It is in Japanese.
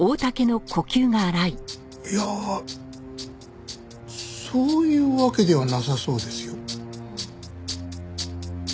いやそういうわけではなさそうですよ。